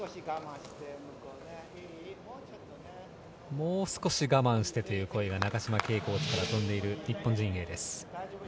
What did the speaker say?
もう少し我慢してという声が中島慶コーチから飛んでいる日本陣営です。